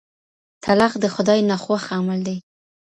طلاق د خدای ناخوښه عمل دی.